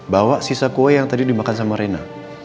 bawa sisa kue yang tadi dimakan sama rena